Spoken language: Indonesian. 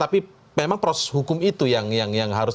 tapi memang proses hukum itu yang harus